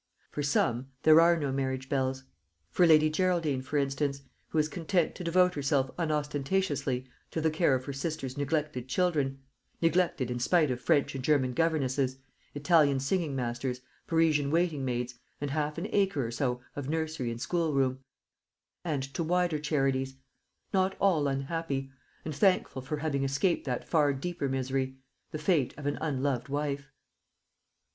For some there are no marriage bells for Lady Geraldine, for instance, who is content to devote herself unostentatiously to the care of her sister's neglected children neglected in spite of French and German governesses, Italian singing masters, Parisian waiting maids, and half an acre or so of nursery and schoolroom and to wider charities: not all unhappy, and thankful for having escaped that far deeper misery the fate of an unloved wife.